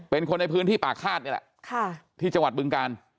เป็นคนในพื้นที่ป่าฆาตนี่แหละที่จังหวัดบึงกาล